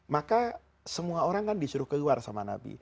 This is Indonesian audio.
maka semua orang kan disuruh keluar sama nabi